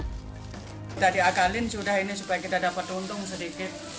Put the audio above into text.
kita diakalin sudah ini supaya kita dapat untung sedikit